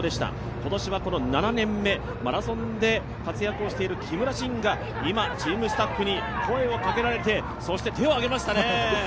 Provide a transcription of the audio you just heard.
今年は７年目、マラソンで活躍している木村慎が今、チームスタッフに声をかけられて、手を上げましたね。